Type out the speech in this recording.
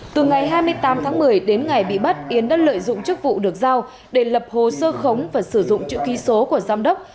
từ ngày hai mươi tám tháng một mươi đến ngày bị bắt yến đã lợi dụng chức vụ được giao để lập hồ sơ khống và sử dụng chữ ký số của giám đốc